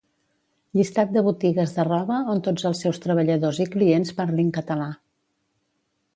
Llistat de botigues de roba on tots els seus treballadors i clients parlin català